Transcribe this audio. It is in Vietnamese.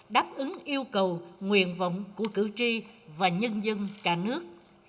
đáp ứng yêu cầu nguyện vọng của cử tri và nhân dân cả nước